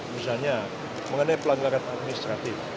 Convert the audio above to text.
misalnya mengenai pelanggaran administratif